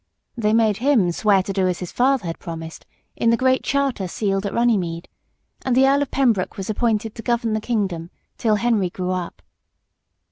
They made him swear to do as his father had promised in the great charter sealed at Runnymede; and the Earl of Pembroke was appointed to govern the kingdom till Henry grew up.